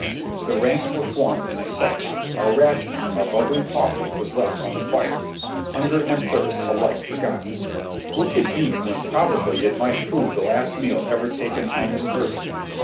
The ranks were formed in a second, our rations, our bubbling coffee was left on the fire; hunger and thirst alike forgotten. Who could eat when probably it might prove the last meal ever taken on this earth?